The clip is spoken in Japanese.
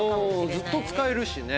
ずっと使えるしね。